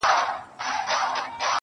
ساقي خراب تراب مي کړه نڅېږم به زه~